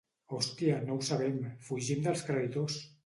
Hòstia, no ho sabem, fugim dels creditors!